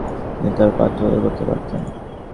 তিনি তার পাঠোদ্ধার করতে পারতেন।